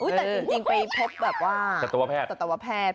แต่จริงไปพบแบบว่าตัวตะวะแพทย์